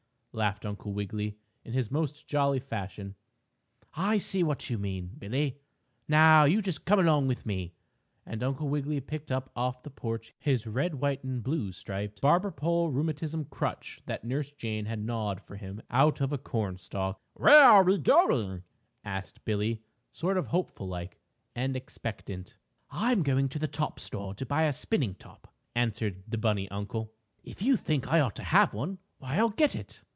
laughed Uncle Wiggily in his most jolly fashion. "I see what you mean, Billie. Now you just come along with me," and Uncle Wiggily picked up off the porch his red, white and blue striped barber pole rheumatism crutch that Nurse Jane had gnawed for him out of a cornstalk. "Where are we going?" asked Billie, sort of hopeful like and expectant. "I'm going to the top store to buy a spinning top," answered bunny uncle. "If you think I ought to have one, why I'll get it."